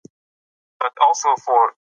ماشومان باید خپل افکار څرګند کړي.